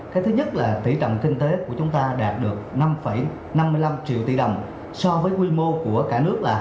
cái thứ nhất là tỉ trận kinh tế của chúng ta đạt được năm năm mươi năm triệu tỷ đồng so với quy mô của cả nước là hai mươi ba chín mươi bảy